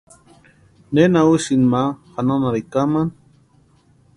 ¿Nena úsïni ma janhanharhikwa kamani?